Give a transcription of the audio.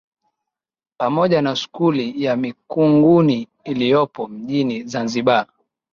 Pamoja na Skuli ya Mikunguni iliyopo mjini Zanzibar.